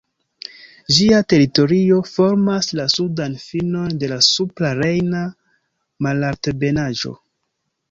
Ĝia teritorio formas la sudan finon de la Supra Rejna Malaltebenaĵo.